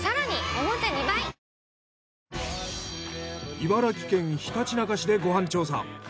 茨城県ひたちなか市でご飯調査。